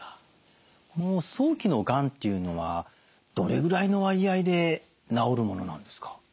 この早期のがんというのはどれぐらいの割合で治るものなんですか？